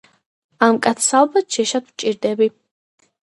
ამ კაცს ალბათ შეშად ვჭირდები.